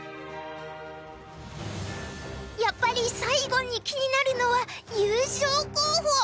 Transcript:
やっぱり最後に気になるのは優勝候補。